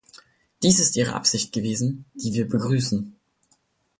Dies ist ihre Absicht gewesen, die wir begrüßen.